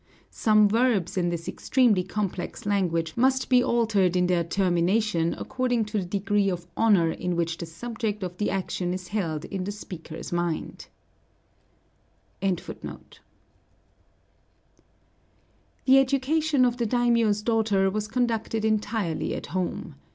Some verbs in this extremely complex language must be altered in their termination according to the degree of honor in which the subject of the action is held in the speaker's mind. The education of the daimiō's daughter was conducted entirely at home.